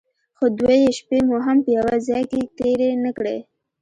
خو دوې شپې مو هم په يوه ځايگي کښې تېرې نه کړې.